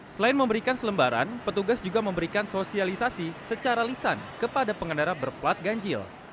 selain memberikan selembaran petugas juga memberikan sosialisasi secara lisan kepada pengendara berplat ganjil